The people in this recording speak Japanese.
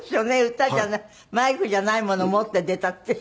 歌じゃないマイクじゃないもの持って出たっていう。